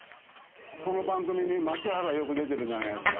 この番組に槙原よく出てるじゃないですか。